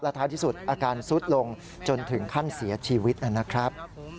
ท้ายที่สุดอาการซุดลงจนถึงขั้นเสียชีวิตนะครับ